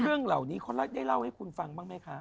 เรื่องเหล่านี้เขาได้เล่าให้คุณฟังบ้างไหมคะ